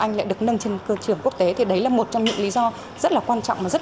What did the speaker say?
anh lại được nâng trên cơ trường quốc tế thì đấy là một trong những lý do rất là quan trọng mà rất